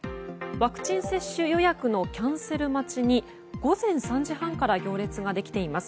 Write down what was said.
ワクチン接種予約のキャンセル待ちに午前３時半から行列ができています。